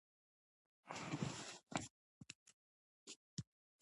ازادي راډیو د اطلاعاتی تکنالوژي حالت ته رسېدلي پام کړی.